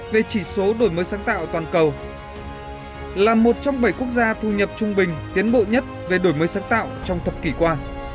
về chỉ số đổi mới sáng tạo toàn cầu là một trong bảy quốc gia thu nhập trung bình tiến bộ nhất về đổi mới sáng tạo trong thập kỷ qua